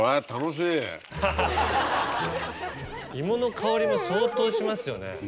芋の香りも相当しますよね。